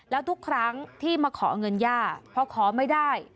แล้วทุกครั้งที่มาขอเงินย่าพอขอไม่ได้